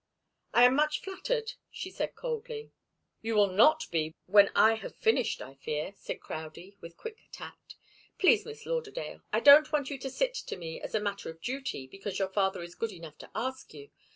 "I am much flattered," she said coldly. "You will not be, when I have finished, I fear," said Crowdie, with quick tact. "Please, Miss Lauderdale, I don't want you to sit to me as a matter of duty, because your father is good enough to ask you.